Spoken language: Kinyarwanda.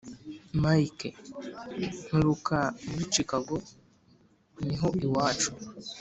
mike: nturuka muri chicago. niho iwacu.